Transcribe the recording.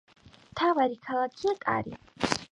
მთავარი ქალაქია კარი.